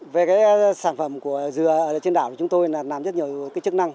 về cái sản phẩm của dừa trên đảo thì chúng tôi làm rất nhiều cái chức năng